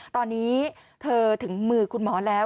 ตอนนี้เธอถึงมือคุณหมอแล้ว